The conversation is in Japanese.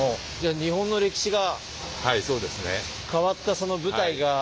じゃあ日本の歴史が変わったその舞台が。